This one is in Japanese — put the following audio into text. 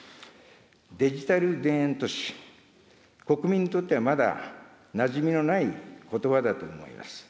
デジタル田園都市、国民にとってはまだなじみのないことばだと思います。